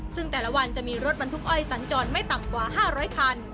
ซึ่งแต่ละวันจะมีรถบรรทุกอ้อยสัญจรไม่ต่ำกว่า๕๐๐คัน